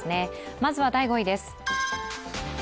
まず第５位です。